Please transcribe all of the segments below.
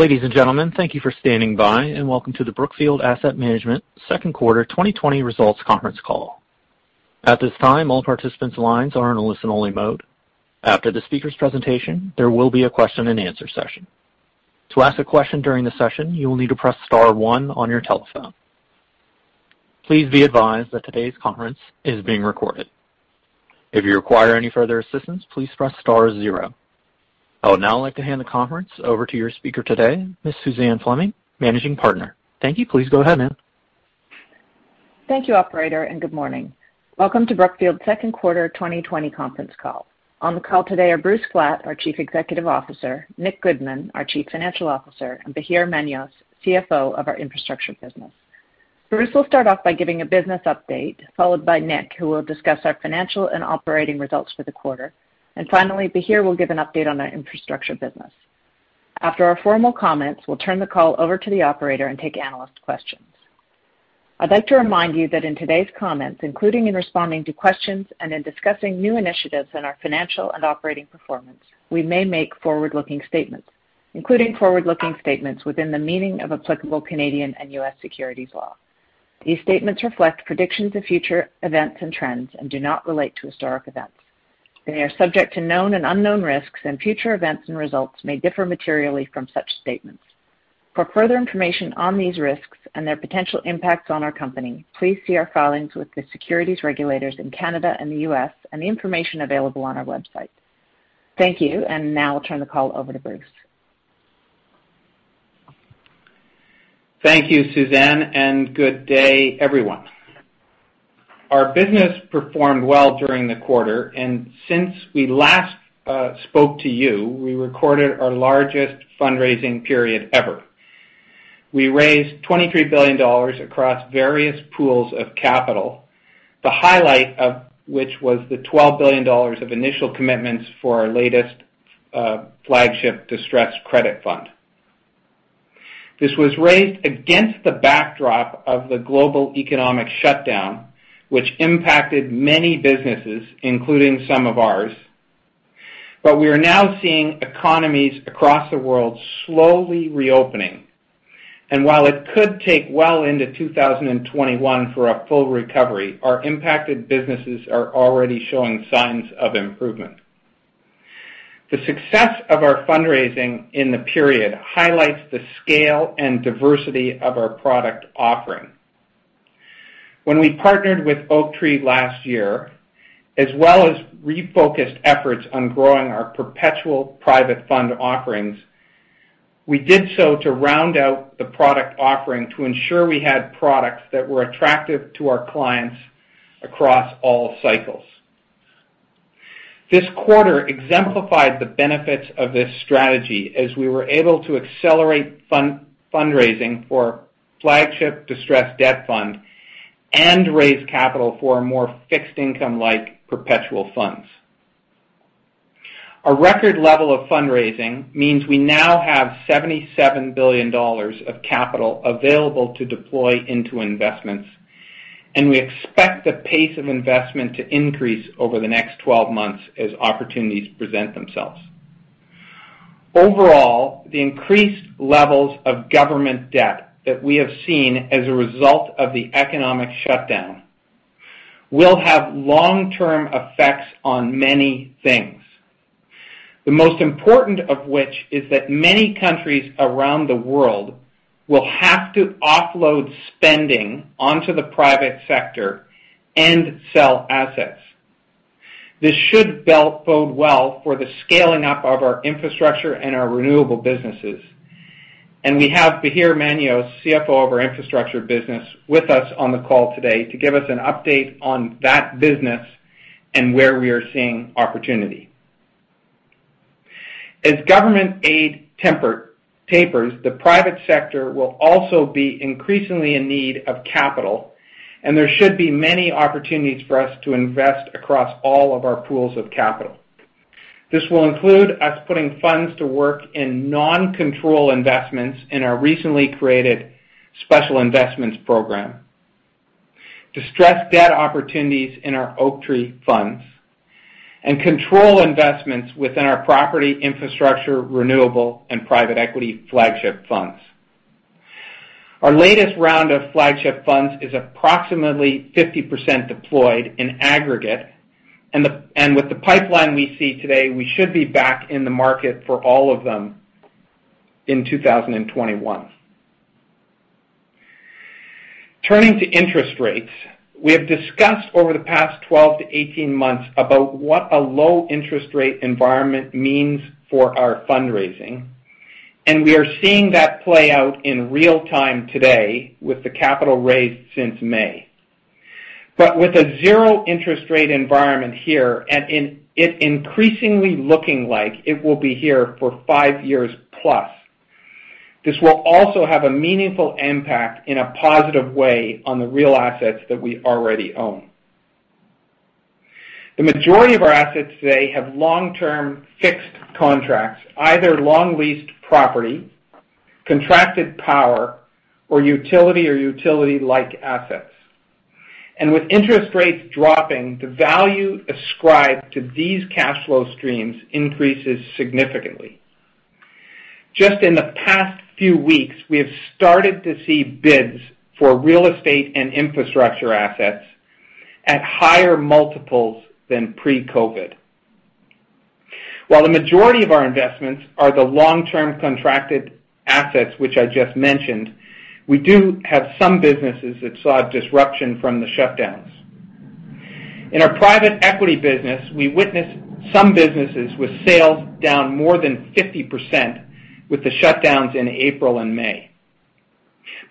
Ladies and gentlemen, thank you for standing by, and welcome to the Brookfield Asset Management second quarter 2020 results conference call. I would now like to hand the conference over to your speaker today, Ms. Suzanne Fleming, managing partner. Thank you. Please go ahead, ma'am. Thank you, operator, and good morning. Welcome to Brookfield's second quarter 2020 conference call. On the call today are Bruce Flatt, our Chief Executive Officer, Nicholas Goodman, our Chief Financial Officer, and Bahir Manios, CFO of our infrastructure business. Bruce will start off by giving a business update, followed by Nick, who will discuss our financial and operating results for the quarter. Finally, Bahir will give an update on our infrastructure business. After our formal comments, we'll turn the call over to the operator and take analyst questions. I'd like to remind you that in today's comments, including in responding to questions and in discussing new initiatives in our financial and operating performance, we may make forward-looking statements, including forward-looking statements within the meaning of applicable Canadian and US securities law. These statements reflect predictions of future events and trends and do not relate to historic events. They are subject to known and unknown risks, and future events and results may differ materially from such statements. For further information on these risks and their potential impacts on our company, please see our filings with the securities regulators in Canada and the U.S. and the information available on our website. Thank you. Now I'll turn the call over to Bruce. Thank you, Suzanne. Good day, everyone. Our business performed well during the quarter. Since we last spoke to you, we recorded our largest fundraising period ever. We raised $23 billion across various pools of capital, the highlight of which was the $12 billion of initial commitments for our latest flagship distressed credit fund. This was raised against the backdrop of the global economic shutdown, which impacted many businesses, including some of ours. We are now seeing economies across the world slowly reopening. While it could take well into 2021 for a full recovery, our impacted businesses are already showing signs of improvement. The success of our fundraising in the period highlights the scale and diversity of our product offering. When we partnered with Oaktree last year, as well as refocused efforts on growing our perpetual private fund offerings, we did so to round out the product offering to ensure we had products that were attractive to our clients across all cycles. This quarter exemplified the benefits of this strategy as we were able to accelerate fundraising for flagship distressed debt fund and raise capital for more fixed income like perpetual funds. Our record level of fundraising means we now have $77 billion of capital available to deploy into investments. We expect the pace of investment to increase over the next 12 months as opportunities present themselves. Overall, the increased levels of government debt that we have seen as a result of the economic shutdown will have long-term effects on many things. The most important of which is that many countries around the world will have to offload spending onto the private sector and sell assets. This should bode well for the scaling up of our infrastructure and our renewable businesses. We have Bahir Manios, CFO of our infrastructure business, with us on the call today to give us an update on that business and where we are seeing opportunity. As government aid tapers, the private sector will also be increasingly in need of capital, and there should be many opportunities for us to invest across all of our pools of capital. This will include us putting funds to work in non-control investments in our recently created special investments program, distressed debt opportunities in our Oaktree funds, and control investments within our property, infrastructure, renewable, and private equity flagship funds. Our latest round of flagship funds is approximately 50% deployed in aggregate. With the pipeline we see today, we should be back in the market for all of them in 2021. Turning to interest rates, we have discussed over the past 12-18 months about what a low interest rate environment means for our fundraising. We are seeing that play out in real time today with the capital raised since May. With a zero interest rate environment here, it increasingly looking like it will be here for 5+ years, this will also have a meaningful impact in a positive way on the real assets that we already own. The majority of our assets today have long-term fixed contracts, either long-leased property, contracted power, or utility or utility-like assets. With interest rates dropping, the value ascribed to these cash flow streams increases significantly. Just in the past few weeks, we have started to see bids for real estate and infrastructure assets at higher multiples than pre-COVID. While the majority of our investments are the long-term contracted assets which I just mentioned, we do have some businesses that saw disruption from the shutdowns. In our private equity business, we witnessed some businesses with sales down more than 50% with the shutdowns in April and May.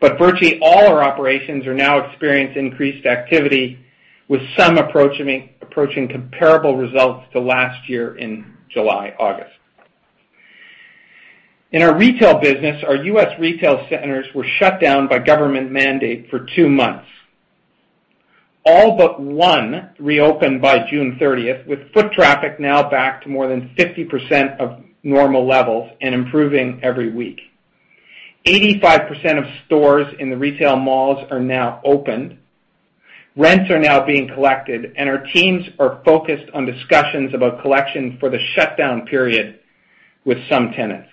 Virtually all our operations are now experiencing increased activity with some approaching comparable results to last year in July, August. In our retail business, our US retail centers were shut down by government mandate for two months. All but one reopened by June 30th, with foot traffic now back to more than 50% of normal levels and improving every week. 85% of stores in the retail malls are now opened. Rents are now being collected, and our teams are focused on discussions about collection for the shutdown period with some tenants.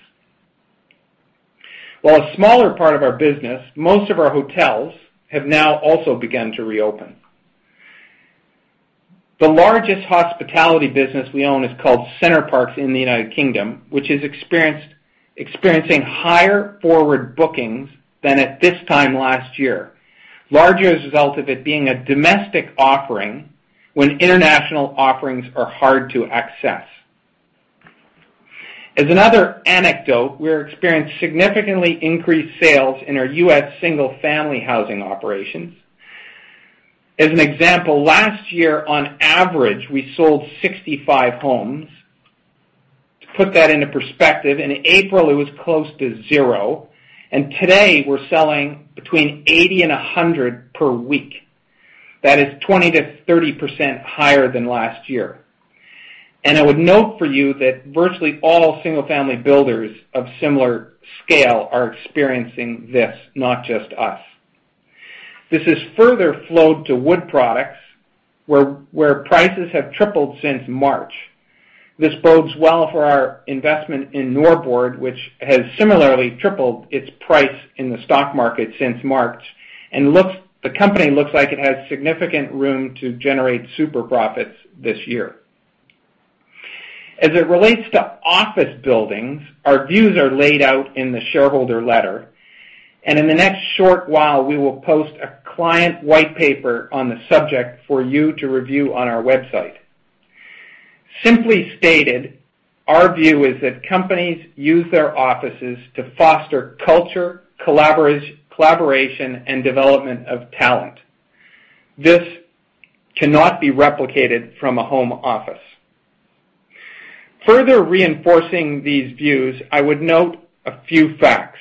While a smaller part of our business, most of our hotels have now also begun to reopen. The largest hospitality business we own is called Center Parcs in the United Kingdom, which is experiencing higher forward bookings than at this time last year, largely as a result of it being a domestic offering when international offerings are hard to access. As another anecdote, we are experiencing significantly increased sales in our U.S. single-family housing operations. As an example, last year on average, we sold 65 homes. To put that into perspective, in April it was close to zero, and today we're selling between 80 and 100 per week. That is 20%-30% higher than last year. I would note for you that virtually all single-family builders of similar scale are experiencing this, not just us. This has further flowed to wood products, where prices have tripled since March. This bodes well for our investment in Norbord, which has similarly tripled its price in the stock market since March. The company looks like it has significant room to generate super profits this year. As it relates to office buildings, our views are laid out in the shareholder letter, and in the next short while, we will post a client white paper on the subject for you to review on our website. Simply stated, our view is that companies use their offices to foster culture, collaboration, and development of talent. This cannot be replicated from a home office. Further reinforcing these views, I would note a few facts.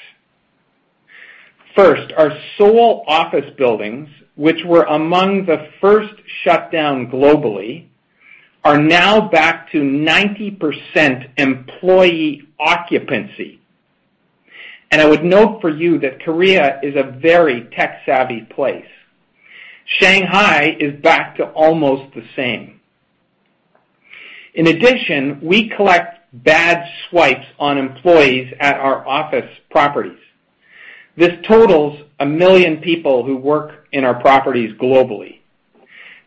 First, our Seoul office buildings, which were among the first shut down globally, are now back to 90% employee occupancy. I would note for you that Korea is a very tech-savvy place. Shanghai is back to almost the same. In addition, we collect badge swipes on employees at our office properties. This totals a million people who work in our properties globally.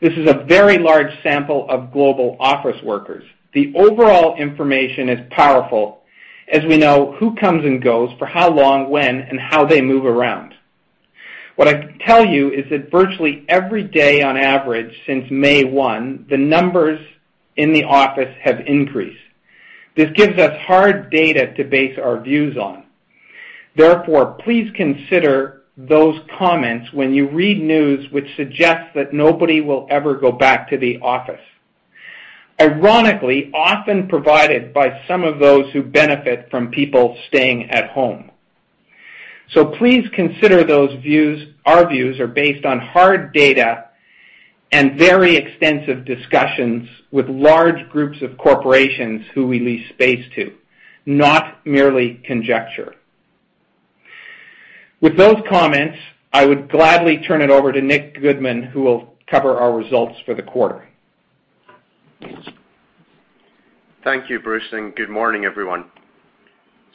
This is a very large sample of global office workers. The overall information is powerful, as we know who comes and goes, for how long, when, and how they move around. What I can tell you is that virtually every day on average since May 1, the numbers in the office have increased. This gives us hard data to base our views on. Please consider those comments when you read news which suggests that nobody will ever go back to the office, ironically, often provided by some of those who benefit from people staying at home. Please consider those views. Our views are based on hard data and very extensive discussions with large groups of corporations who we lease space to, not merely conjecture. With those comments, I would gladly turn it over to Nick Goodman, who will cover our results for the quarter. Thank you, Bruce, and good morning, everyone.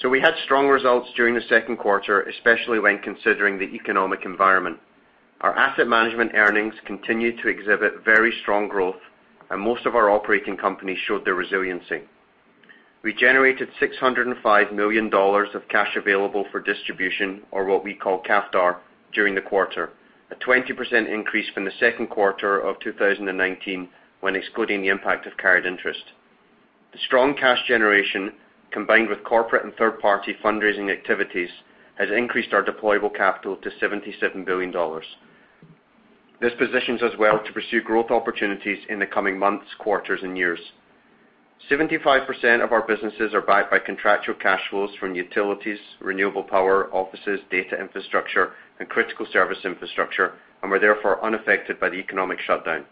We had strong results during the second quarter, especially when considering the economic environment. Our asset management earnings continued to exhibit very strong growth, and most of our operating companies showed their resiliency. We generated $605 million of cash available for distribution, or what we call CAFDAR, during the quarter, a 20% increase from the second quarter of 2019 when excluding the impact of carried interest. The strong cash generation, combined with corporate and third-party fundraising activities, has increased our deployable capital to $77 billion. This positions us well to pursue growth opportunities in the coming months, quarters, and years. 75% of our businesses are backed by contractual cash flows from utilities, renewable power, offices, data infrastructure, and critical service infrastructure, and were therefore unaffected by the economic shutdown.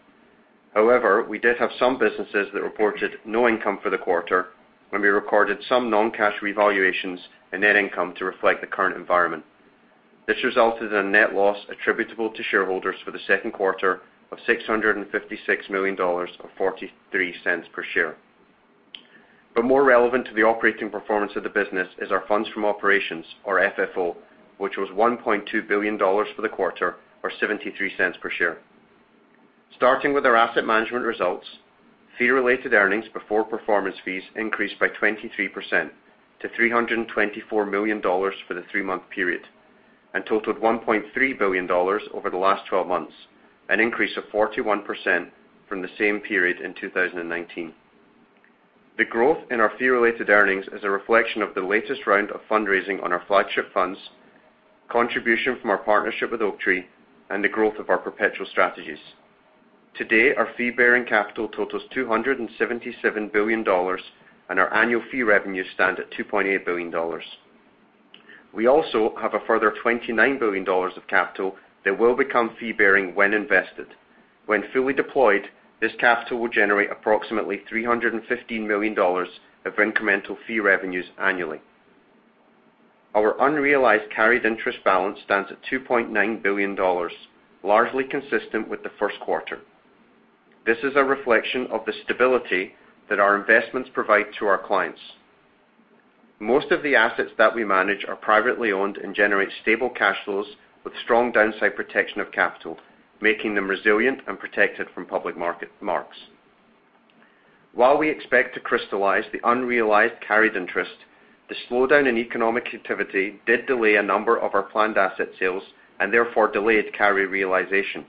We did have some businesses that reported no income for the quarter when we recorded some non-cash revaluations in net income to reflect the current environment. This resulted in a net loss attributable to shareholders for Q2 of $656 million or $0.43 per share. More relevant to the operating performance of the business is our funds from operations, or FFO, which was $1.2 billion for the quarter or $0.73 per share. Starting with our asset management results, fee-related earnings before performance fees increased by 23% to $324 million for the three-month period and totaled $1.3 billion over the last 12 months, an increase of 41% from the same period in 2019. The growth in our fee-related earnings is a reflection of the latest round of fundraising on our flagship funds, contribution from our partnership with Oaktree, and the growth of our perpetual strategies. To date, our fee-bearing capital totals $277 billion, and our annual fee revenues stand at $2.8 billion. We also have a further $29 billion of capital that will become fee-bearing when invested. When fully deployed, this capital will generate approximately $315 million of incremental fee revenues annually. Our unrealized carried interest balance stands at $2.9 billion, largely consistent with the first quarter. This is a reflection of the stability that our investments provide to our clients. Most of the assets that we manage are privately owned and generate stable cash flows with strong downside protection of capital, making them resilient and protected from public marks. While we expect to crystallize the unrealized carried interest, the slowdown in economic activity did delay a number of our planned asset sales and therefore delayed carry realization.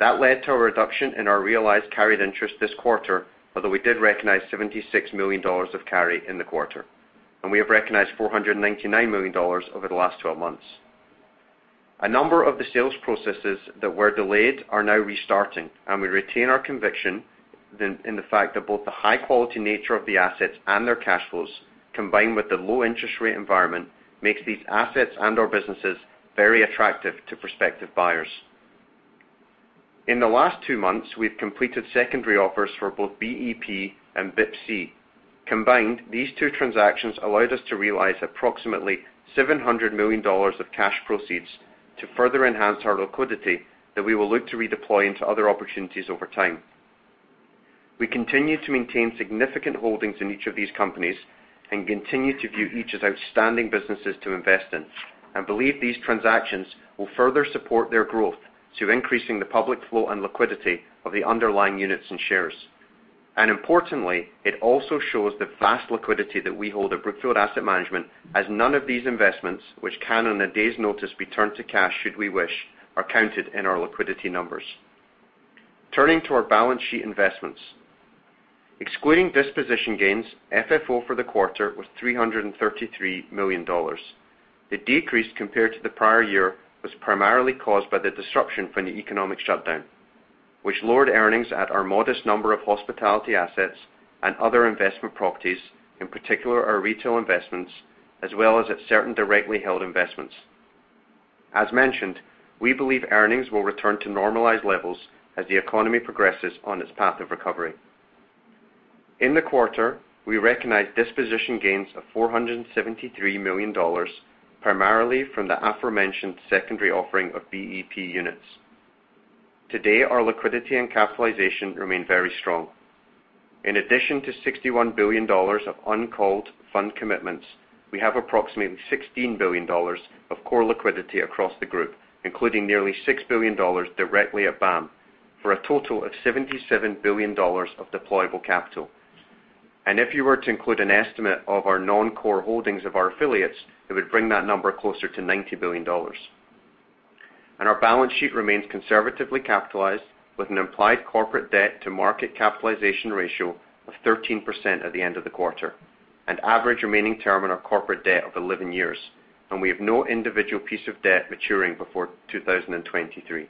That led to a reduction in our realized carried interest this quarter, although we did recognize $76 million of carry in the quarter. We have recognized $499 million over the last 12 months. A number of the sales processes that were delayed are now restarting, and we retain our conviction in the fact that both the high-quality nature of the assets and their cash flows, combined with the low interest rate environment, makes these assets and/or businesses very attractive to prospective buyers. In the last two months, we've completed secondary offers for both BEP and BIPC. Combined, these two transactions allowed us to realize approximately $700 million of cash proceeds to further enhance our liquidity that we will look to redeploy into other opportunities over time. We continue to maintain significant holdings in each of these companies and continue to view each as outstanding businesses to invest in and believe these transactions will further support their growth to increasing the public flow and liquidity of the underlying units and shares. Importantly, it also shows the vast liquidity that we hold at Brookfield Asset Management, as none of these investments, which can on a day's notice, be turned to cash should we wish, are counted in our liquidity numbers. Turning to our balance sheet investments. Excluding disposition gains, FFO for the quarter was $333 million. The decrease compared to the prior year was primarily caused by the disruption from the economic shutdown, which lowered earnings at our modest number of hospitality assets and other investment properties, in particular our retail investments, as well as at certain directly held investments. As mentioned, we believe earnings will return to normalized levels as the economy progresses on its path of recovery. In the quarter, we recognized disposition gains of $473 million, primarily from the aforementioned secondary offering of BEP units. To date, our liquidity and capitalization remain very strong. In addition to $61 billion of uncalled fund commitments, we have approximately $16 billion of core liquidity across the group, including nearly $6 billion directly at BAM, for a total of $77 billion of deployable capital. If you were to include an estimate of our non-core holdings of our affiliates, it would bring that number closer to $90 billion. Our balance sheet remains conservatively capitalized with an implied corporate debt to market capitalization ratio of 13% at the end of the quarter, an average remaining term on our corporate debt of 11 years, and we have no individual piece of debt maturing before 2023.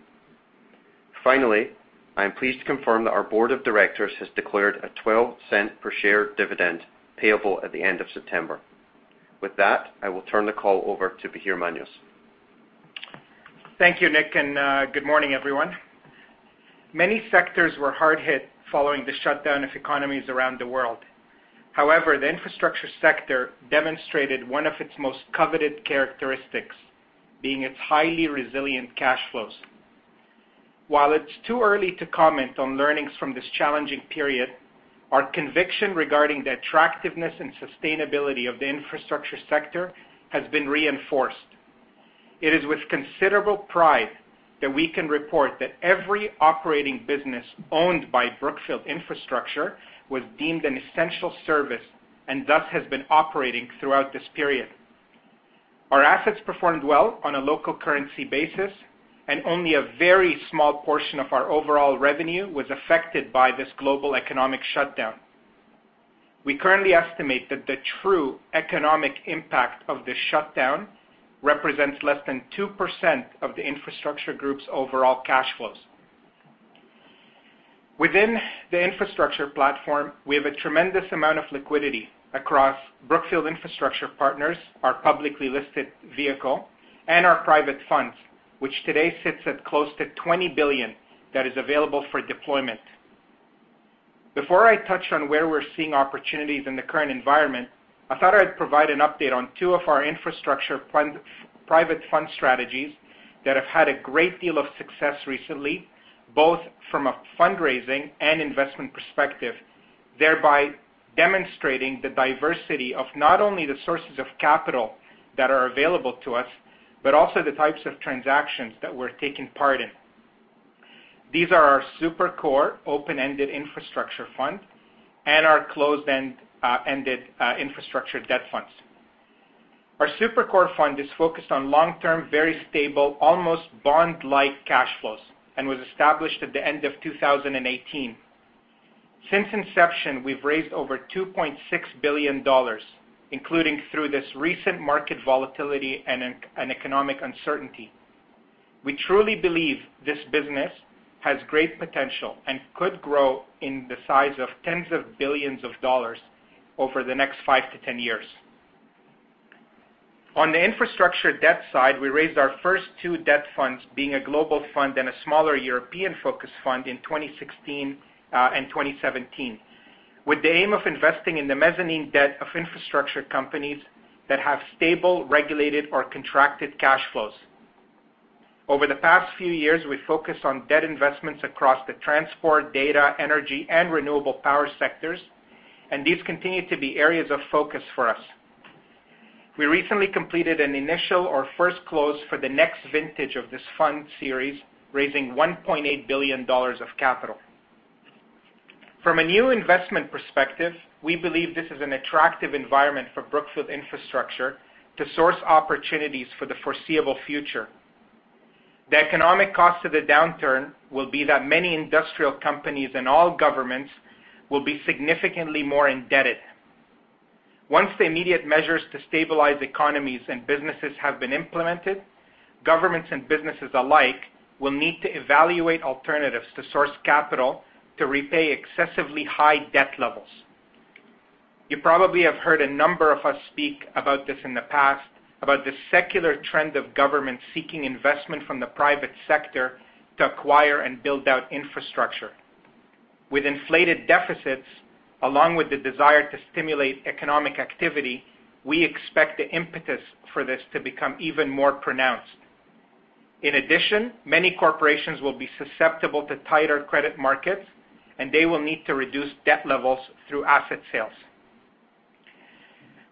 Finally, I am pleased to confirm that our board of directors has declared a $0.12 per share dividend payable at the end of September. With that, I will turn the call over to Bahir Manios. Thank you, Nick, and good morning, everyone. Many sectors were hard hit following the shutdown of economies around the world. However, the infrastructure sector demonstrated one of its most coveted characteristics, being its highly resilient cash flows. While it's too early to comment on learnings from this challenging period, our conviction regarding the attractiveness and sustainability of the infrastructure sector has been reinforced. It is with considerable pride that we can report that every operating business owned by Brookfield Infrastructure was deemed an essential service and thus has been operating throughout this period. Our assets performed well on a local currency basis, and only a very small portion of our overall revenue was affected by this global economic shutdown. We currently estimate that the true economic impact of this shutdown represents less than 2% of the infrastructure group's overall cash flows. Within the infrastructure platform, we have a tremendous amount of liquidity across Brookfield Infrastructure Partners, our publicly listed vehicle and our private funds, which today sits at close to $20 billion that is available for deployment. Before I touch on where we're seeing opportunities in the current environment, I thought I'd provide an update on two of our infrastructure private fund strategies that have had a great deal of success recently, both from a fundraising and investment perspective, thereby demonstrating the diversity of not only the sources of capital that are available to us, but also the types of transactions that we're taking part in. These are our Super-Core open-ended infrastructure fund, and our closed-ended infrastructure debt funds. Our Super-Core fund is focused on long-term, very stable, almost bond-like cash flows, and was established at the end of 2018. Since inception, we've raised over $2.6 billion, including through this recent market volatility and economic uncertainty. We truly believe this business has great potential and could grow in the size of tens of billions of dollars over the next 5-10 years. On the infrastructure debt side, we raised our first two debt funds, being a global fund and a smaller European-focused fund in 2016 and 2017. With the aim of investing in the mezzanine debt of infrastructure companies that have stable, regulated, or contracted cash flows. Over the past few years, we've focused on debt investments across the transport, data, energy, and renewable power sectors, and these continue to be areas of focus for us. We recently completed an initial or first close for the next vintage of this fund series, raising $1.8 billion of capital. From a new investment perspective, we believe this is an attractive environment for Brookfield Infrastructure to source opportunities for the foreseeable future. The economic cost of the downturn will be that many industrial companies and all governments will be significantly more indebted. Once the immediate measures to stabilize economies and businesses have been implemented, governments and businesses alike will need to evaluate alternatives to source capital to repay excessively high debt levels. You probably have heard a number of us speak about this in the past, about the secular trend of governments seeking investment from the private sector to acquire and build out infrastructure. With inflated deficits, along with the desire to stimulate economic activity, we expect the impetus for this to become even more pronounced. In addition, many corporations will be susceptible to tighter credit markets, and they will need to reduce debt levels through asset sales.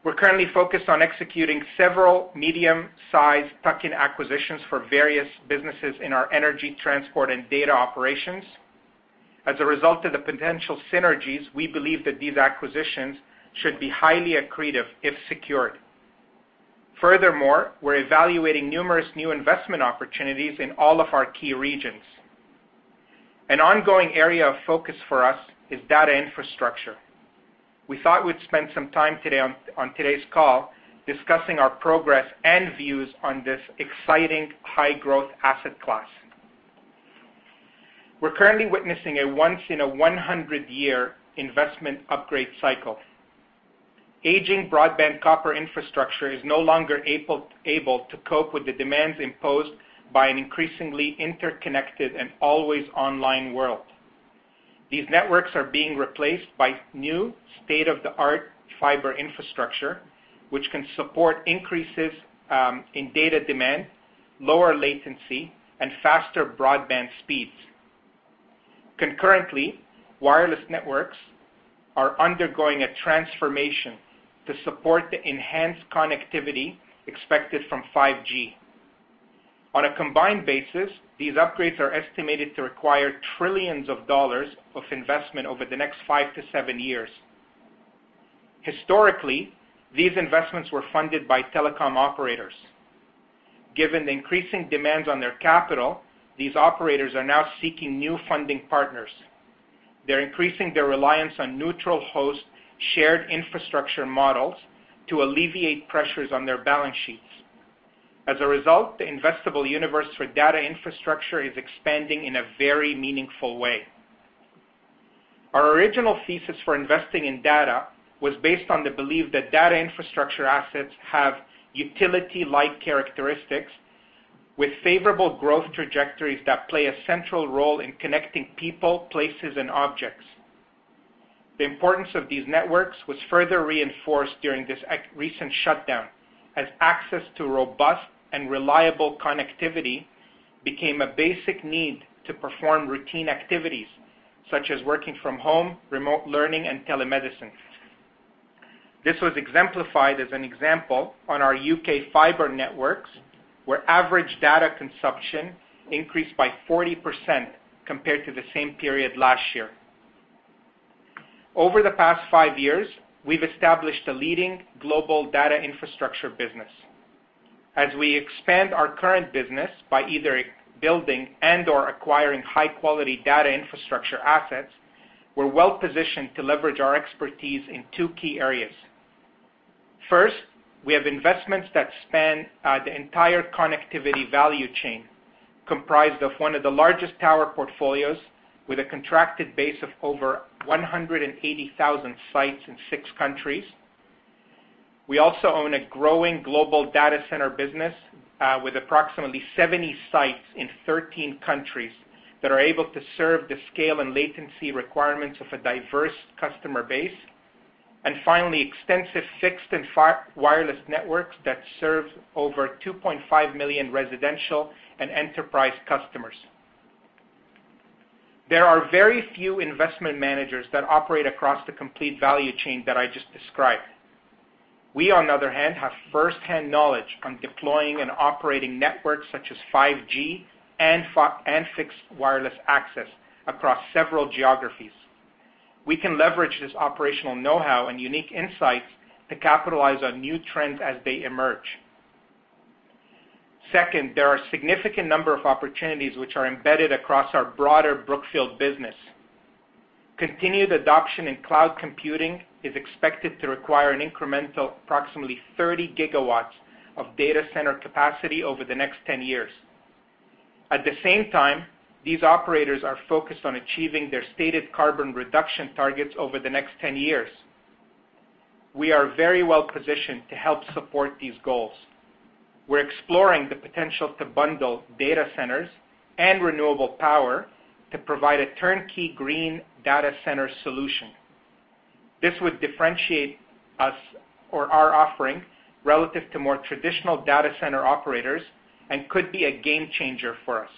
We're currently focused on executing several medium-sized tuck-in acquisitions for various businesses in our energy, transport, and data operations. As a result of the potential synergies, we believe that these acquisitions should be highly accretive if secured. Furthermore, we're evaluating numerous new investment opportunities in all of our key regions. An ongoing area of focus for us is data infrastructure. We thought we'd spend some time on today's call discussing our progress and views on this exciting high-growth asset class. We're currently witnessing a once in a 100-year investment upgrade cycle. Aging broadband copper infrastructure is no longer able to cope with the demands imposed by an increasingly interconnected and always online world. These networks are being replaced by new state-of-the-art fiber infrastructure, which can support increases in data demand, lower latency, and faster broadband speeds. Concurrently, wireless networks are undergoing a transformation to support the enhanced connectivity expected from 5G. On a combined basis, these upgrades are estimated to require trillions of dollars of investment over the next five to seven years. Historically, these investments were funded by telecom operators. Given the increasing demands on their capital, these operators are now seeking new funding partners. They're increasing their reliance on neutral host shared infrastructure models to alleviate pressures on their balance sheets. The investable universe for data infrastructure is expanding in a very meaningful way. Our original thesis for investing in data was based on the belief that data infrastructure assets have utility-like characteristics with favorable growth trajectories that play a central role in connecting people, places, and objects. The importance of these networks was further reinforced during this recent shutdown, as access to robust and reliable connectivity became a basic need to perform routine activities, such as working from home, remote learning, and telemedicine. This was exemplified as an example on our UK fiber networks, where average data consumption increased by 40% compared to the same period last year. Over the past five years, we've established a leading global data infrastructure business. As we expand our current business by either building and/or acquiring high-quality data infrastructure assets, we're well-positioned to leverage our expertise in two key areas. First, we have investments that span the entire connectivity value chain. Comprised of one of the largest tower portfolios, with a contracted base of over 180,000 sites in six countries. We also own a growing global data center business with approximately 70 sites in 13 countries that are able to serve the scale and latency requirements of a diverse customer base. Finally, extensive fixed and wireless networks that serve over 2.5 million residential and enterprise customers. There are very few investment managers that operate across the complete value chain that I just described. We, on the other hand, have firsthand knowledge on deploying and operating networks such as 5G and fixed wireless access across several geographies. We can leverage this operational know-how and unique insights to capitalize on new trends as they emerge. Second, there are significant number of opportunities which are embedded across our broader Brookfield business. Continued adoption in cloud computing is expected to require an incremental approximately 30 GW of data center capacity over the next 10 years. At the same time, these operators are focused on achieving their stated carbon reduction targets over the next 10 years. We are very well positioned to help support these goals. We're exploring the potential to bundle data centers and renewable power to provide a turnkey green data center solution. This would differentiate us or our offering relative to more traditional data center operators and could be a game changer for us.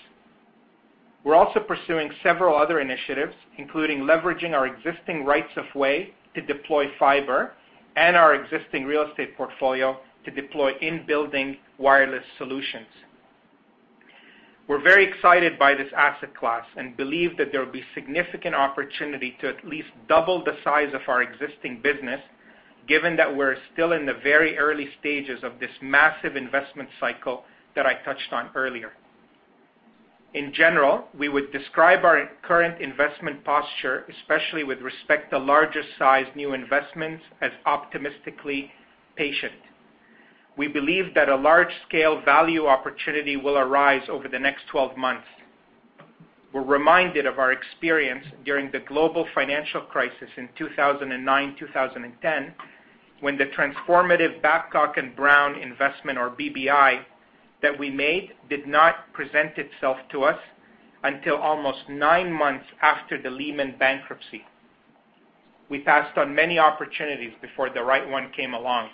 We're also pursuing several other initiatives, including leveraging our existing rights of way to deploy fiber and our existing real estate portfolio to deploy in-building wireless solutions. We're very excited by this asset class and believe that there will be significant opportunity to at least double the size of our existing business, given that we're still in the very early stages of this massive investment cycle that I touched on earlier. In general, we would describe our current investment posture, especially with respect to larger sized new investments, as optimistically patient. We believe that a large-scale value opportunity will arise over the next 12 months. We're reminded of our experience during the global financial crisis in 2009, 2010, when the transformative Babcock & Brown investment, or BBI, that we made did not present itself to us until almost nine months after the Lehman bankruptcy. We passed on many opportunities before the right one came along.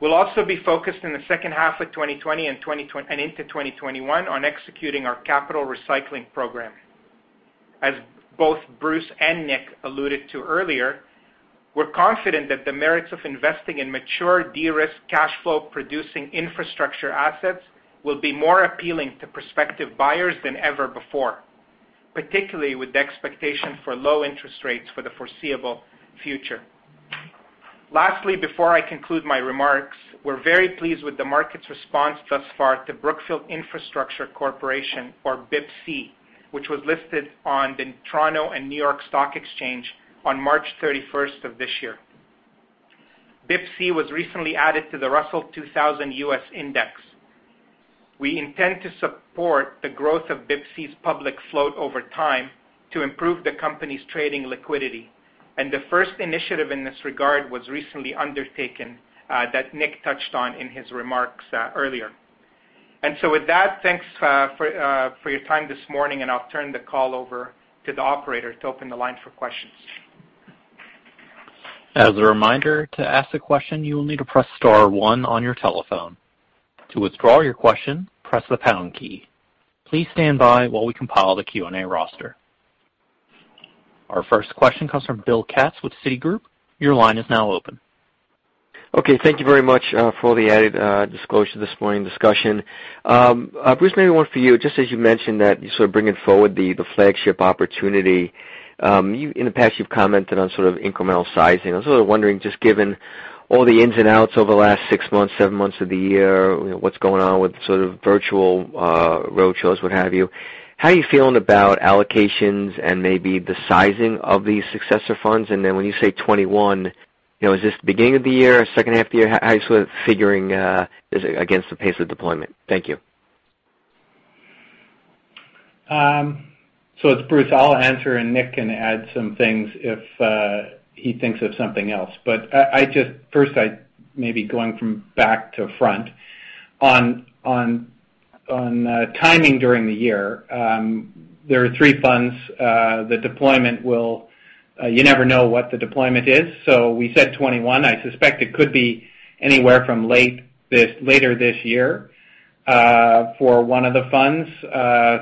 We'll also be focused in the second half of 2020 and into 2021 on executing our capital recycling program. As both Bruce and Nick alluded to earlier, we're confident that the merits of investing in mature, de-risked cash flow producing infrastructure assets will be more appealing to prospective buyers than ever before, particularly with the expectation for low interest rates for the foreseeable future. Lastly, before I conclude my remarks, we're very pleased with the market's response thus far to Brookfield Infrastructure Corporation, or BIPC, which was listed on the Toronto and New York Stock Exchange on March 31st of this year. BIPC was recently added to the Russell 2000 US Index. We intend to support the growth of BIPC's public float over time to improve the company's trading liquidity, the first initiative in this regard was recently undertaken, that Nick touched on in his remarks earlier. With that, thanks for your time this morning, and I'll turn the call over to the operator to open the line for questions. As a reminder, to ask a question, you will need to press star one on your telephone. To withdraw your question, press the pound key. Please stand by while we compile the Q&A roster. Our first question comes from Bill Katz with Citigroup. Your line is now open. Okay. Thank you very much for the added disclosure this morning discussion. Bruce, maybe one for you. Just as you mentioned that you sort of bringing forward the flagship opportunity. In the past, you've commented on sort of incremental sizing. I was sort of wondering, just given all the ins and outs over the last six months, seven months of the year, what's going on with sort of virtual road shows, what have you, how are you feeling about allocations and maybe the sizing of these successor funds? When you say 2021, is this the beginning of the year or second half of the year? How are you sort of figuring this against the pace of deployment? Thank you. It's Bruce. I'll answer, and Nick can add some things if he thinks of something else. First, maybe going from back to front. On timing during the year, there are three funds. You never know what the deployment is. We said 2021. I suspect it could be anywhere from later this year for one of the funds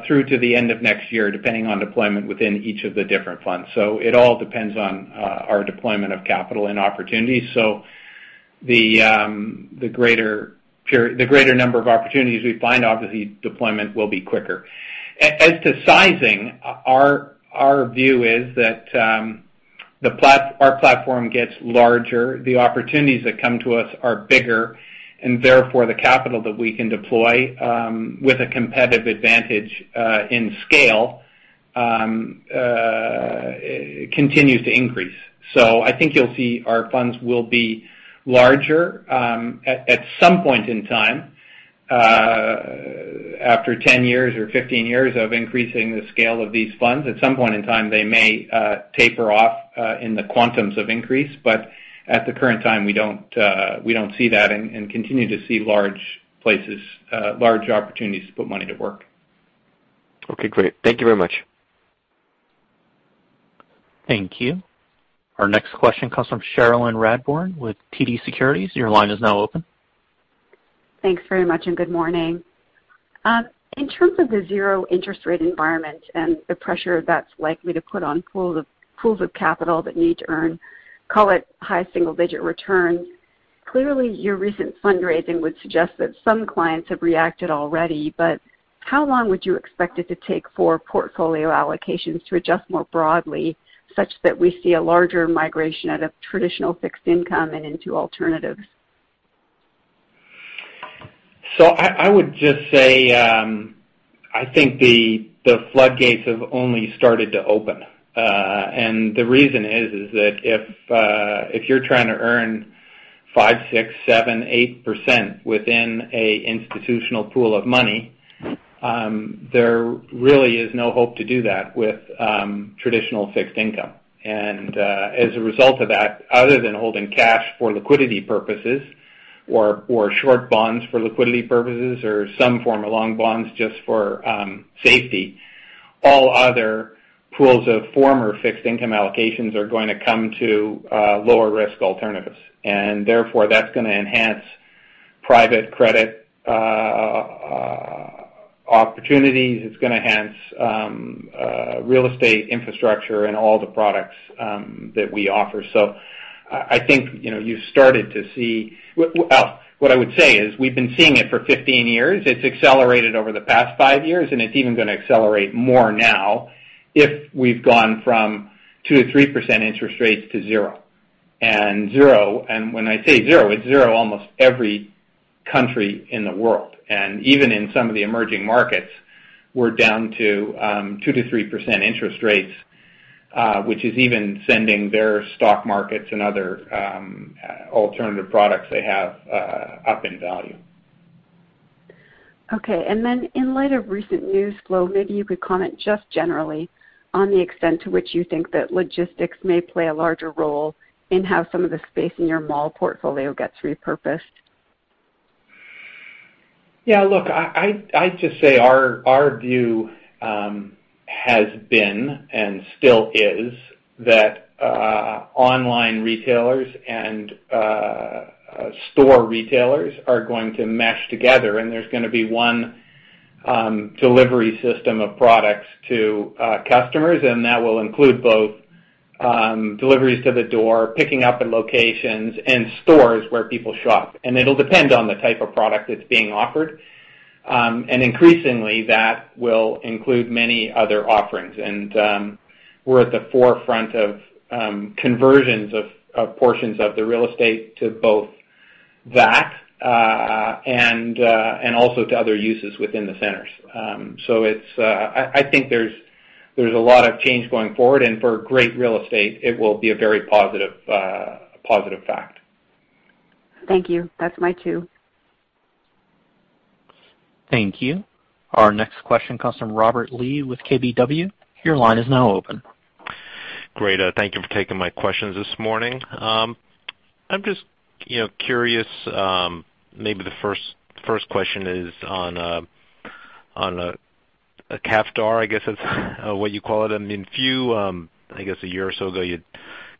through to the end of next year, depending on deployment within each of the different funds. It all depends on our deployment of capital and opportunities. The greater number of opportunities we find, obviously deployment will be quicker. As to sizing, our view is that our platform gets larger. The opportunities that come to us are bigger, and therefore the capital that we can deploy, with a competitive advantage, in scale continues to increase. I think you'll see our funds will be larger at some point in time. After 10 years or 15 years of increasing the scale of these funds, at some point in time, they may taper off in the quantums of increase. At the current time, we don't see that and continue to see large opportunities to put money to work. Okay, great. Thank you very much. Thank you. Our next question comes from Cherilyn Radbourne with TD Securities. Your line is now open. Thanks very much. Good morning. In terms of the zero interest rate environment and the pressure that's likely to put on pools of capital that need to earn, call it high single-digit returns, clearly your recent fundraising would suggest that some clients have reacted already. How long would you expect it to take for portfolio allocations to adjust more broadly such that we see a larger migration out of traditional fixed income and into alternatives? I would just say, I think the floodgates have only started to open. The reason is that if you're trying to earn 5%, 6%, 7%, 8% within a institutional pool of money, there really is no hope to do that with traditional fixed income. As a result of that, other than holding cash for liquidity purposes or short bonds for liquidity purposes or some form of long bonds just for safety, all other pools of former fixed income allocations are going to come to lower risk alternatives. Therefore, that's going to enhance private credit opportunities. It's going to enhance real estate infrastructure and all the products that we offer. I think you've started to see. What I would say is we've been seeing it for 15 years. It's accelerated over the past five years, it's even going to accelerate more now if we've gone from 2%-3% interest rates to zero. When I say zero, it's zero almost every country in the world. Even in some of the emerging markets, we're down to 2%-3% interest rates, which is even sending their stock markets and other alternative products they have up in value. Okay. In light of recent news flow, maybe you could comment just generally on the extent to which you think that logistics may play a larger role in how some of the space in your mall portfolio gets repurposed. Yeah, look, I'd just say our view has been, and still is, that online retailers and store retailers are going to mesh together, and there's going to be one delivery system of products to customers, and that will include both deliveries to the door, picking up in locations, and stores where people shop. It'll depend on the type of product that's being offered. Increasingly, that will include many other offerings. We're at the forefront of conversions of portions of the real estate to both that and also to other uses within the centers. I think there's a lot of change going forward, and for great real estate, it will be a very positive fact. Thank you. That's my cue. Thank you. Our next question comes from Robert Lee with KBW. Great. Thank you for taking my questions this morning. I'm just curious. Maybe the first question is on a CAFDAR, I guess that's what you call it. A few, I guess a year or so ago, you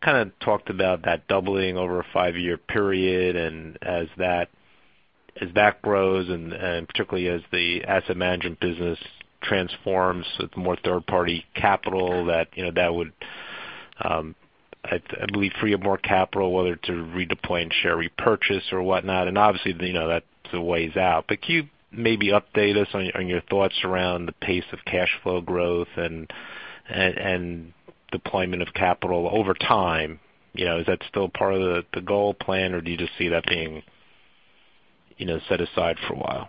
kind of talked about that doubling over a five-year period. As that grows and particularly as the asset management business transforms with more third-party capital, that would, I believe, free up more capital, whether to redeploy and share repurchase or whatnot. Obviously, that's the ways out. Can you maybe update us on your thoughts around the pace of cash flow growth and deployment of capital over time? Is that still part of the goal plan, or do you just see that being set aside for a while?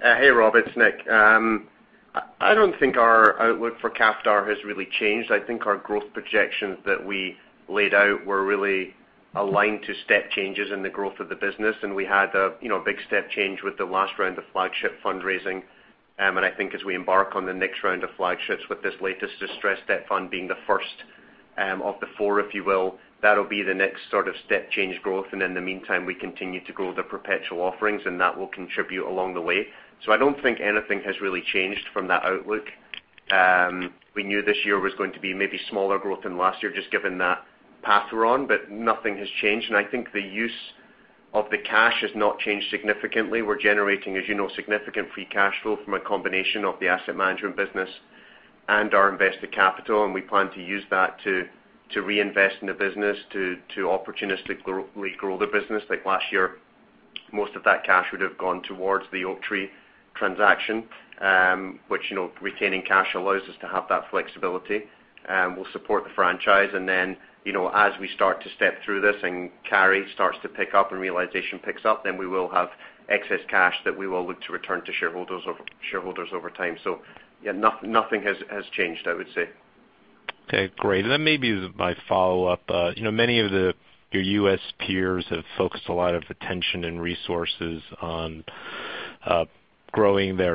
Hey, Rob, it's Nick. I don't think our outlook for CAFDAR has really changed. I think our growth projections that we laid out were really aligned to step changes in the growth of the business, and we had a big step change with the last round of flagship fundraising. I think as we embark on the next round of flagships with this latest distressed debt fund being the first of the four, if you will, that'll be the next sort of step change growth. In the meantime, we continue to grow the perpetual offerings, and that will contribute along the way. I don't think anything has really changed from that outlook. We knew this year was going to be maybe smaller growth than last year, just given that path we're on, but nothing has changed. I think the use of the cash has not changed significantly. We're generating, as you know, significant free cash flow from a combination of the asset management business and our invested capital, we plan to use that to reinvest in the business, to opportunistically grow the business. Like last year, most of that cash would have gone towards the Oaktree transaction, which retaining cash allows us to have that flexibility. We'll support the franchise, as we start to step through this and carry starts to pick up and realization picks up, we will have excess cash that we will look to return to shareholders over time. Nothing has changed, I would say. Okay, great. Then maybe my follow-up. Many of your US peers have focused a lot of attention and resources on growing their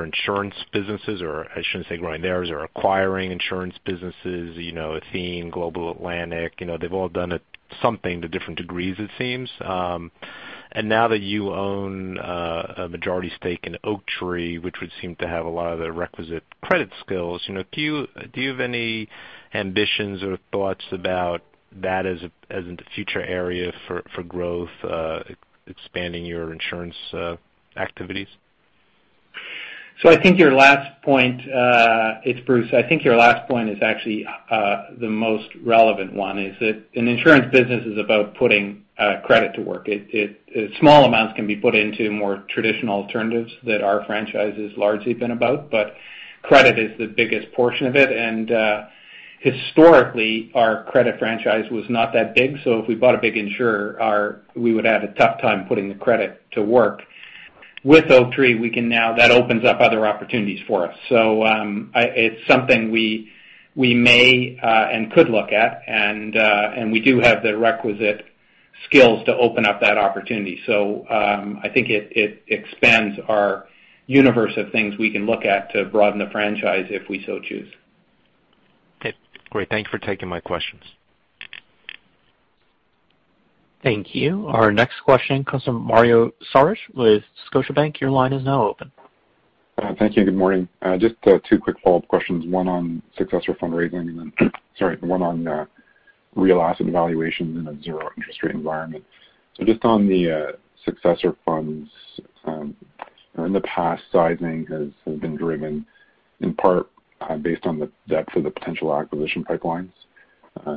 insurance businesses, or I shouldn't say growing theirs, or acquiring insurance businesses. Athene, Global Atlantic, they've all done something to different degrees it seems. Now that you own a majority stake in Oaktree, which would seem to have a lot of the requisite credit skills, do you have any ambitions or thoughts about that as a future area for growth expanding your insurance activities? It's Bruce. I think your last point is actually the most relevant one, is that an insurance business is about putting credit to work. Small amounts can be put into more traditional alternatives that our franchise has largely been about, but credit is the biggest portion of it. Historically, our credit franchise was not that big, so if we bought a big insurer, we would have a tough time putting the credit to work. With Oaktree, that opens up other opportunities for us. It's something we may and could look at, and we do have the requisite skills to open up that opportunity. I think it expands our universe of things we can look at to broaden the franchise if we so choose. Okay, great. Thank you for taking my questions. Thank you. Our next question comes from Mario Saric with Scotiabank. Your line is now open. Thank you. Good morning. Just two quick follow-up questions, one on successful fundraising and then one on real asset valuation in a zero interest rate environment. Just on the successor funds. In the past, sizing has been driven in part based on the depth of the potential acquisition pipelines.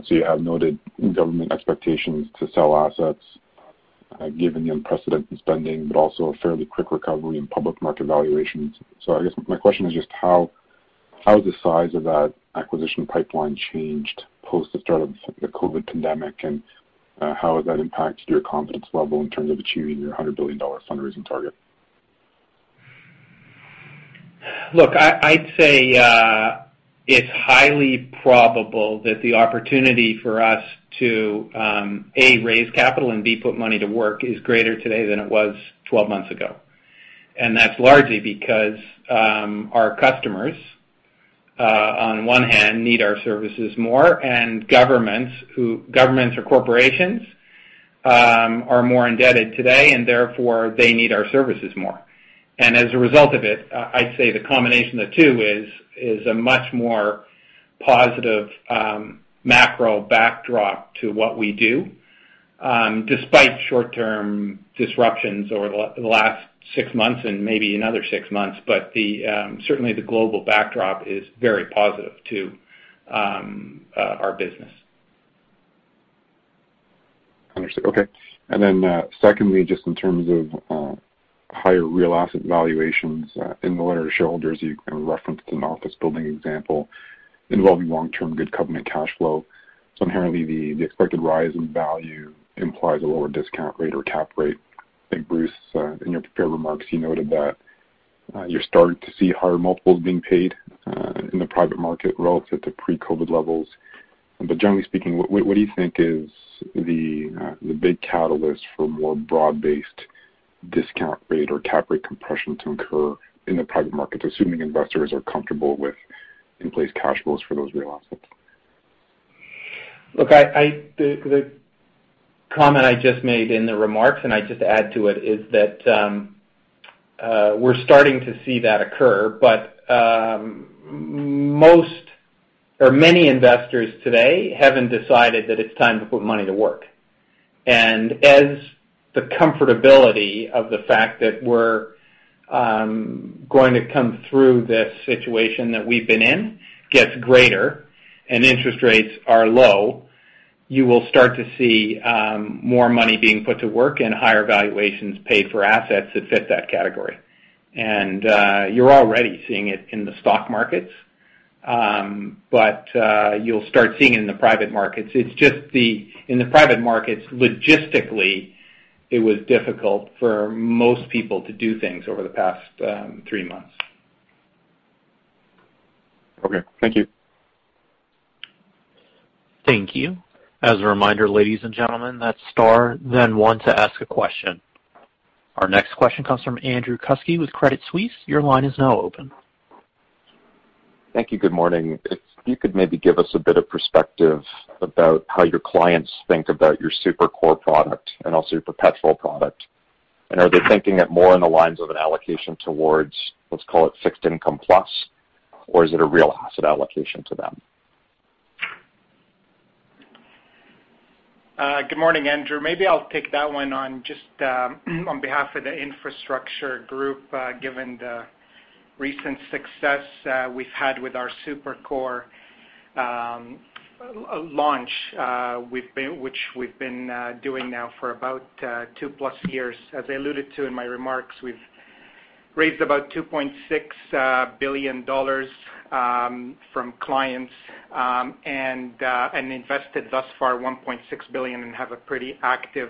You have noted government expectations to sell assets given the unprecedented spending, but also a fairly quick recovery in public market valuations. I guess my question is just how the size of that acquisition pipeline changed post the start of the COVID pandemic, and how has that impacted your confidence level in terms of achieving your $100 billion fundraising target? Look, I'd say it's highly probable that the opportunity for us to, A, raise capital and, B, put money to work is greater today than it was 12 months ago. That's largely because our customers, on one hand, need our services more. Governments or corporations are more indebted today. Therefore, they need our services more. As a result of it, I'd say the combination of the two is a much more positive macro backdrop to what we do, despite short-term disruptions over the last six months and maybe another six months. Certainly, the global backdrop is very positive to our business. Understood. Okay. Secondly, just in terms of higher real asset valuations in the letter to shareholders, you referenced an office building example involving long-term good covenant cash flow. Inherently the expected rise in value implies a lower discount rate or cap rate. I think Bruce, in your prepared remarks, you noted that you're starting to see higher multiples being paid in the private market relative to pre-COVID levels. Generally speaking, what do you think is the big catalyst for more broad-based discount rate or cap rate compression to occur in the private markets, assuming investors are comfortable with in-place cash flows for those real assets? Look, the comment I just made in the remarks, and I just add to it, is that we're starting to see that occur. Most or many investors today haven't decided that it's time to put money to work. As the comfortability of the fact that we're going to come through this situation that we've been in gets greater and interest rates are low, you will start to see more money being put to work and higher valuations paid for assets that fit that category. You're already seeing it in the stock markets. You'll start seeing it in the private markets. It's just in the private markets, logistically, it was difficult for most people to do things over the past three months. Okay. Thank you. Thank you. As a reminder, ladies and gentlemen, that's star then one to ask a question. Our next question comes from Andrew Kuske with Credit Suisse. Your line is now open. Thank you. Good morning. If you could maybe give us a bit of perspective about how your clients think about your Super-Core product and also your perpetual product. Are they thinking it more in the lines of an allocation towards, let's call it fixed income plus, or is it a real asset allocation to them? Good morning, Andrew Kuske. Maybe I'll take that one on just on behalf of the infrastructure group given the recent success we've had with our Super Core launch which we've been doing now for about two plus years. As I alluded to in my remarks, we've raised about $2.6 billion from clients and invested thus far $1.6 billion and have a pretty active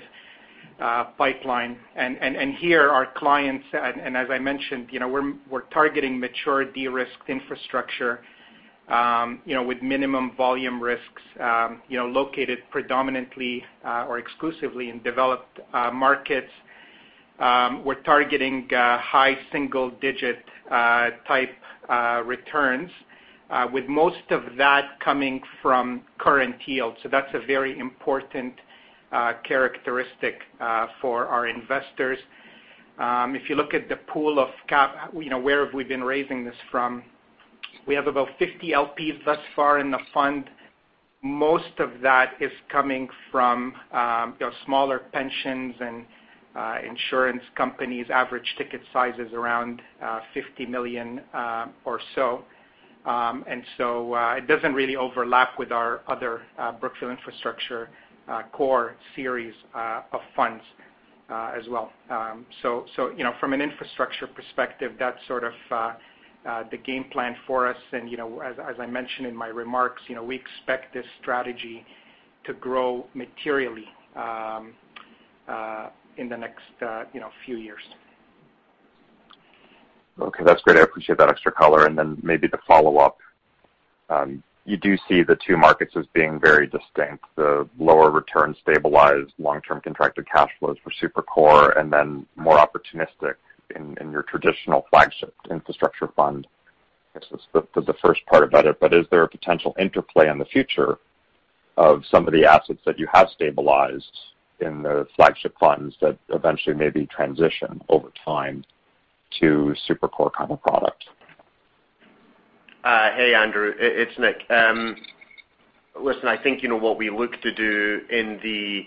pipeline. Here, our clients, and as I mentioned, we're targeting mature de-risked infrastructure with minimum volume risks, located predominantly or exclusively in developed markets. We're targeting high single-digit type returns, with most of that coming from current yield. That's a very important characteristic for our investors. If you look at the pool of cap, where have we been raising this from? We have about 50 LPs thus far in the fund. Most of that is coming from smaller pensions and insurance companies. Average ticket size is around $50 million or so. It doesn't really overlap with our other Brookfield Infrastructure core series of funds as well. From an infrastructure perspective, that's sort of the game plan for us. As I mentioned in my remarks, we expect this strategy to grow materially in the next few years. Okay. That's great. I appreciate that extra color. Then maybe the follow-up. You do see the two markets as being very distinct, the lower return, stabilized long-term contracted cash flows for Super Core and then more opportunistic in your traditional flagship infrastructure fund. I guess that's the first part about it. Is there a potential interplay in the future of some of the assets that you have stabilized in the flagship funds that eventually maybe transition over time to Super Core kind of product? Hey, Andrew, it's Nick. Listen, I think what we look to do in the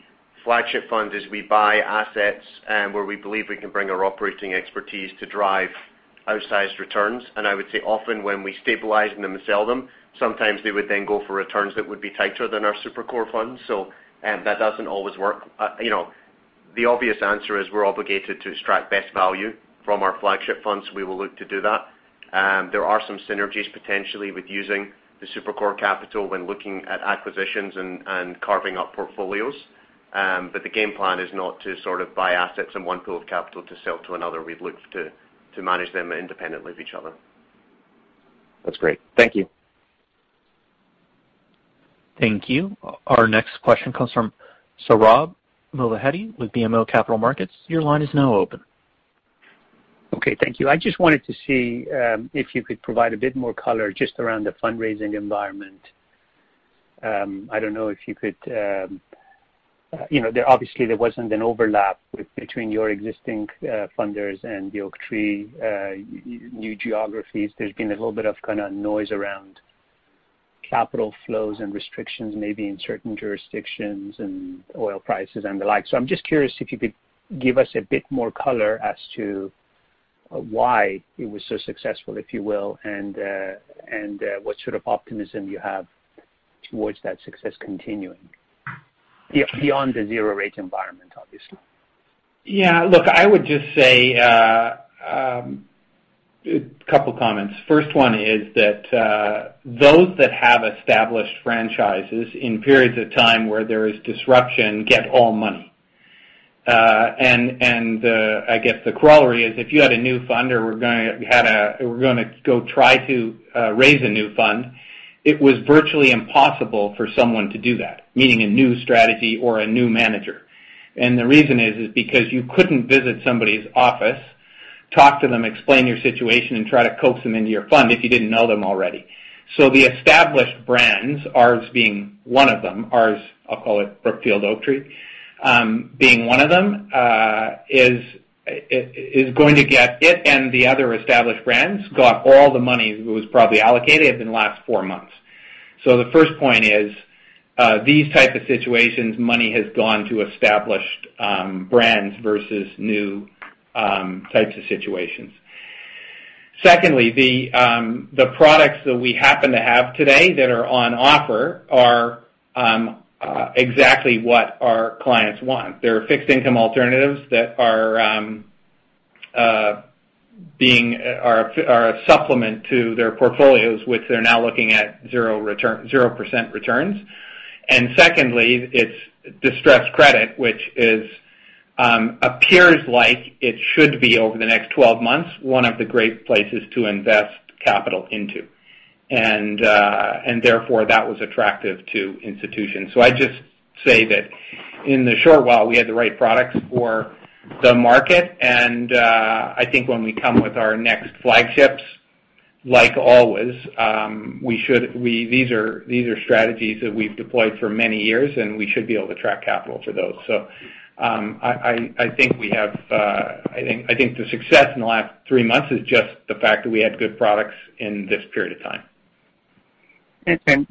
flagship fund is we buy assets where we believe we can bring our operating expertise to drive outsized returns. I would say often when we stabilize them and sell them, sometimes they would then go for returns that would be tighter than our Super-Core fund. That doesn't always work. The obvious answer is we're obligated to extract best value from our flagship funds. We will look to do that. There are some synergies potentially with using the Super-Core capital when looking at acquisitions and carving up portfolios. The game plan is not to sort of buy assets in one pool of capital to sell to another. We'd look to manage them independently of each other. That's great. Thank you. Thank you. Our next question comes from Sohrab Movahedi with BMO Capital Markets. Your line is now open. Okay. Thank you. I just wanted to see if you could provide a bit more color just around the fundraising environment. Obviously, there wasn't an overlap between your existing funders and the Oaktree new geographies. There's been a little bit of kind of noise around capital flows and restrictions, maybe in certain jurisdictions and oil prices and the like. I'm just curious if you could give us a bit more color as to why it was so successful, if you will, and what sort of optimism you have towards that success continuing beyond the zero rate environment, obviously. Yeah, look, I would just say a couple comments. First one is that those that have established franchises in periods of time where there is disruption get all money. I guess the corollary is if you had a new fund or were going to go try to raise a new fund, it was virtually impossible for someone to do that, meaning a new strategy or a new manager. The reason is because you couldn't visit somebody's office, talk to them, explain your situation, and try to coax them into your fund if you didn't know them already. The established brands, ours being one of them, ours, I'll call it Brookfield Oaktree, being one of them, is going to get it and the other established brands got all the money that was probably allocated in the last four months. The first point is these type of situations, money has gone to established brands versus new types of situations. Secondly, the products that we happen to have today that are on offer are exactly what our clients want. They're fixed income alternatives that are a supplement to their portfolios, which they're now looking at 0% returns. Secondly, it's distressed credit, which appears like it should be over the next 12 months, one of the great places to invest capital into. Therefore, that was attractive to institutions. I just say that in the short while, we had the right products for the market, and I think when we come with our next flagships, like always, these are strategies that we've deployed for many years, and we should be able to track capital for those. I think the success in the last three months is just the fact that we had good products in this period of time.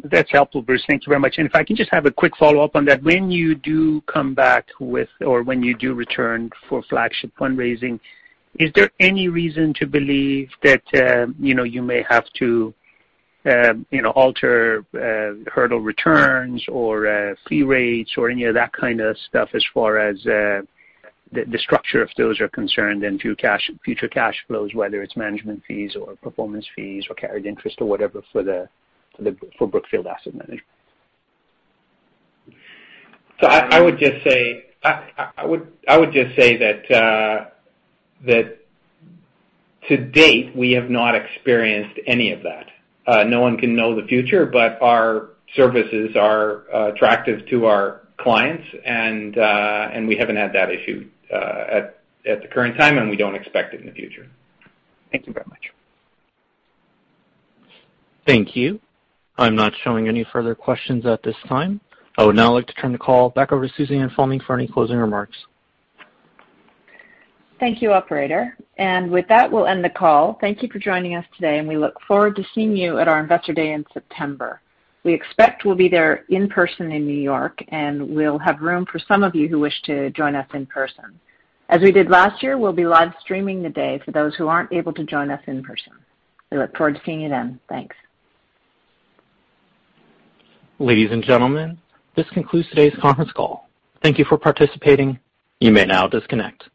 That's helpful, Bruce. Thank you very much. If I can just have a quick follow-up on that. When you do come back with, or when you do return for flagship fundraising, is there any reason to believe that you may have to alter hurdle returns or fee rates or any of that kind of stuff as far as the structure of those are concerned and future cash flows, whether it's management fees or performance fees or carried interest or whatever for Brookfield Asset Management? I would just say that to date, we have not experienced any of that. No one can know the future, but our services are attractive to our clients, and we haven't had that issue at the current time, and we don't expect it in the future. Thank you very much. Thank you. I'm not showing any further questions at this time. I would now like to turn the call back over to Suzanne Fleming for any closing remarks. Thank you, operator. With that, we'll end the call. Thank you for joining us today, and we look forward to seeing you at our Investor Day in September. We expect we'll be there in person in New York, and we'll have room for some of you who wish to join us in person. As we did last year, we'll be live streaming the day for those who aren't able to join us in person. We look forward to seeing you then. Thanks. Ladies and gentlemen, this concludes today's conference call. Thank you for participating. You may now disconnect.